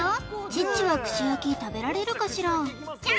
チッチは串焼き食べられるかしら？